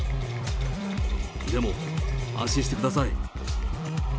でも、安心してください。